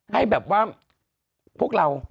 ให้แบบว่าพวกเรา